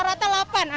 bukan masuk ke bni